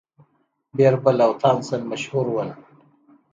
بیربل او تانسن مشهور وو.